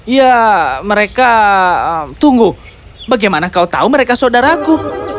ya mereka tunggu bagaimana kau tahu mereka saudaraku